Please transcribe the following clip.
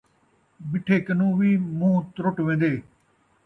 مِٹھے کنوں وی مون٘ہہ ترُٹ وین٘دے